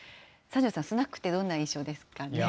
三條さん、スナックってどんな印象ですかね。